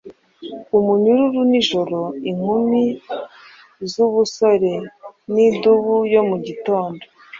umunyururu nijoro, Inkumi zubusore nidubu yo mu gitondo?